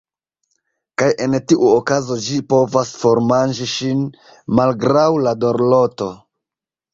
Kaj en tiu okazo ĝi povas formanĝi ŝin, malgraŭ la dorloto.